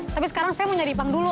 tapi sekarang saya mau nyari pang dulu